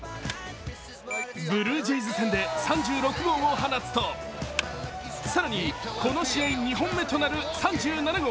ブルージェイズ戦で３６号を放つと、更にこの試合２本目となる３７号。